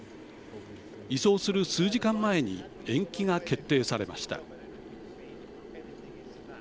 移送する数時間前に延期が決定されました。